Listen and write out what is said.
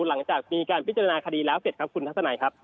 หลังจากมีการพิจารณาคดีแล้วเสร็จครับคุณทัศนัยครับ